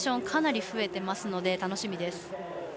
かなり増えていますので楽しみです。